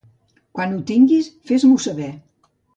Quan ho tinguis fes-m'ho saber.